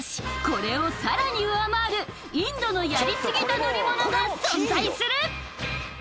これをさらに上回るインドのやりすぎた乗り物が存在する！